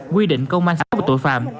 quy định công an xã hội tội phạm